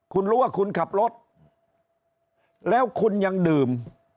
คุณรู้ว่าคุณขับรถแล้วคุณยังดื่ม